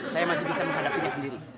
saya masih bisa menghadapinya sendiri